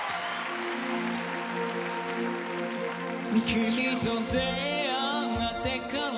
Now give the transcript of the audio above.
「君と出逢ってから」